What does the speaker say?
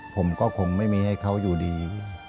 ผมก็คงไม่มีให้เขาอยู่ดี